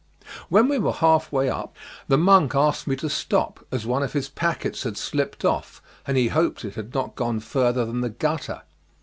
When we were half way up the monk asked me to stop, as one of his packets had slipped off, and he hoped it had not gone further than the gutter.